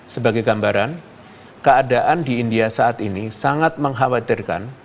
sebagai gambaran keadaan di india saat ini sangat mengkhawatirkan